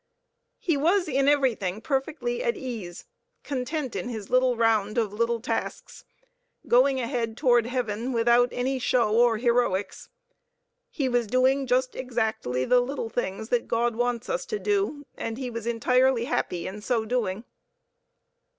He was in everything perfectly at ease; content in his little round of little tasks; going ahead toward heaven without any show or heroics. He was doing just exactly the little things that God wants us to do, and he was entirely happy in so doing.